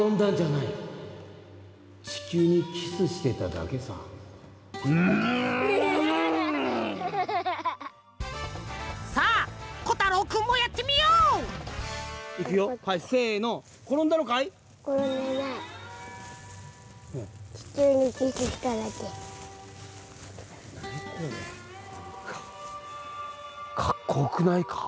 なんかかっこよくないか？